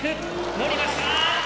のりました！